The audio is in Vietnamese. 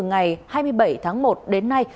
ngày hai mươi bảy tháng một đến nay